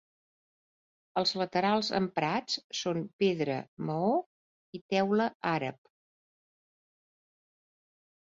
Els laterals emprats són: pedra, maó i teula àrab.